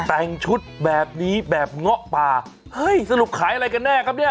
แต่งชุดแบบนี้แบบเงาะป่าเฮ้ยสรุปขายอะไรกันแน่ครับเนี่ย